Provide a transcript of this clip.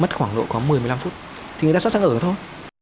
mất khoảng độ có một mươi một mươi năm phút thì người ta sẵn sàng ở thôi